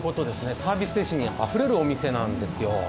サービス精神にあふれるお店なんですよ。